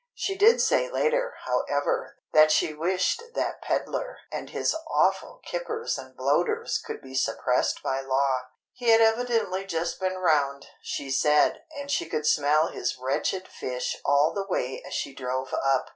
She did say later, however, that she wished that pedlar and his awful kippers and bloaters could be suppressed by law. He had evidently just been round, she said, and she could smell his wretched fish all the way as she drove up.